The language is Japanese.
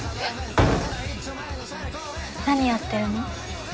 何やってるの？